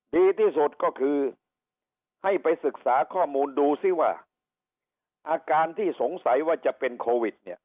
ดีที่สุดก็คือให้ไปศึกษาข้อมูลดูซิว่าอาการที่สงสัยว่าจะเป็นโควิดเนี่ย